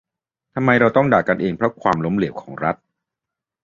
"ทำไมต้องมาด่ากันเองเพราะความล้มเหลวของรัฐ"